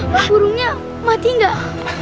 burungnya mati gak